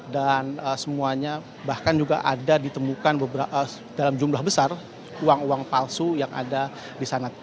dan semuanya bahkan juga ada ditemukan dalam jumlah besar uang uang palsu yang ada di sana